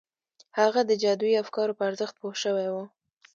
هغه د جادویي افکارو په ارزښت پوه شوی و